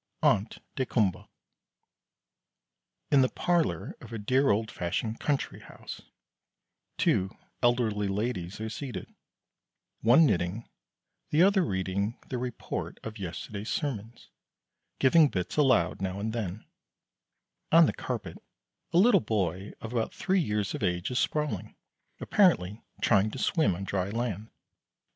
"ONT DAYKUMBOA." In the parlor of a dear old fashioned country house two elderly ladies are seated, one knitting, the other reading the report of yesterday's sermons, giving bits aloud now and then; on the carpet a little boy about three years of age is sprawling, apparently trying to swim on dry land.